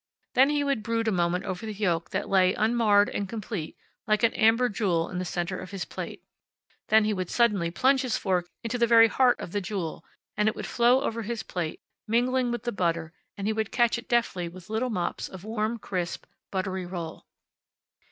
Then he would brood a moment over the yolk that lay, unmarred and complete, like an amber jewel in the center of his plate. Then he would suddenly plunge his fork into the very heart of the jewel, and it would flow over his plate, mingling with the butter, and he would catch it deftly with little mops of warm, crisp, buttery roll.